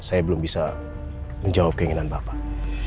saya belum bisa menjawab keinginan bapak